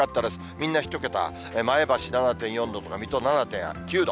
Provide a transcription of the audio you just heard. みんな１桁、前橋７．４度とか、水戸７．９度。